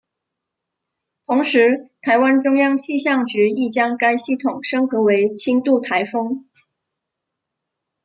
同时台湾中央气象局亦将该系统升格为轻度台风。